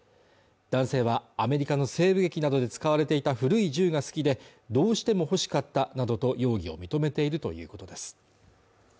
男性はアメリカの西部劇などで使われていた古い銃が好きでどうしても欲しかったなどと容疑を認めているということです